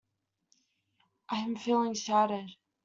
I am feeling shattered.